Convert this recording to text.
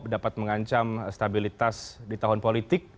dapat mengancam stabilitas di tahun politik